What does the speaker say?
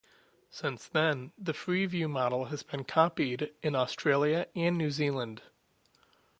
Since then, the Freeview model has been copied in Australia and New Zealand.